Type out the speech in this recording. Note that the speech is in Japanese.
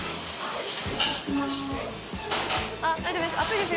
あっ大丈夫です？